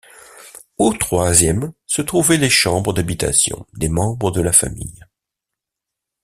Au troisième se trouvaient les chambres d’habitation des membres de la famille.